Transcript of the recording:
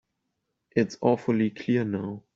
It's awfully clear now.